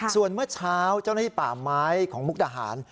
ส่วนเมื่อเช้าเจ้าหน้าที่ป่าไม้ของมุกดาหาร